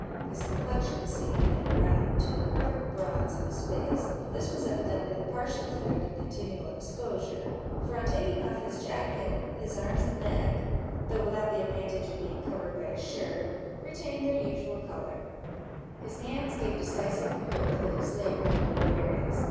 His complexion seemed embrowned to a perfect bronze on his face; but this was evidently the partial effect of continual exposure, for on taking off his jacket, his arms and neck, though without the advantage of being covered by a shirt, retained their usual colour: his hands gave decisive proof that his labour had been various.